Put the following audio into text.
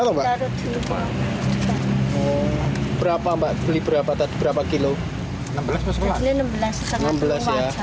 berapa mbak beli berapa tadi berapa kilo